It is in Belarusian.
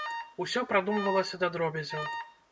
Усё прадумвалася да дробязяў.